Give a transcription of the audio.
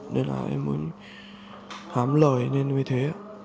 nên là em mới hám lời nên như thế